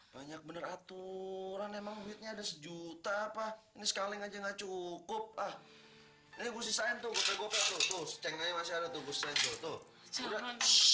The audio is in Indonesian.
banyak bener aturan emang buitnya ada sejuta apa ini sekali nggak cukup ah ini gue sisain tuh gope gopel tuh tuh secaing aja masih ada tuh joseng tuh tuh